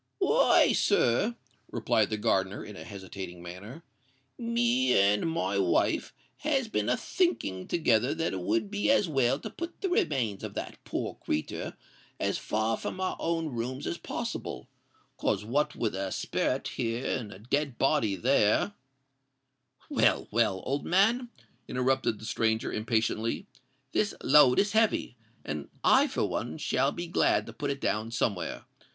"Why, sir," replied the gardener, in a hesitating manner, "me and my wife has been a thinking together that it would be as well to put the remains of that poor creetur as far from our own rooms as possible: 'cos what with a sperret here and a dead body there——" "Well, well—old man," interrupted the stranger, impatiently; "this load is heavy, and I for one shall be glad to put it down somewhere.